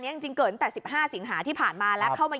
เนี้ยจริงจริงเกิดจึงแต่สิบห้าสินหาที่ผ่านมาแล้วเข้ามา